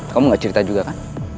kamu gak cerita juga kan